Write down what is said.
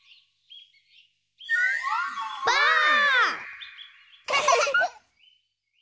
ばあっ！